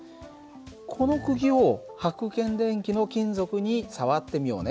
このくぎをはく検電器の金属に触ってみようね。